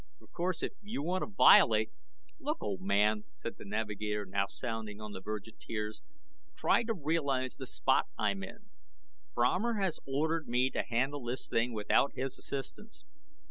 Of course, if you want to violate " "Look, old man," said the navigator, now sounding on the verge of tears, "try to realize the spot I'm in. Fromer has ordered me to handle this thing without his assistance.